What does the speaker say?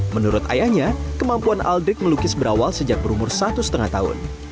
menurut ayahnya kemampuan aldrik melukis berawal sejak berumur satu lima tahun